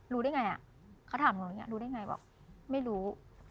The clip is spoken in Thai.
รู้ได้ไงอ่ะเขาถามหนูอย่างนี้รู้ได้ไงบอกไม่รู้